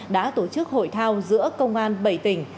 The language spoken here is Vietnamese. đã tổ chức hội thao giữa công an bảy tỉnh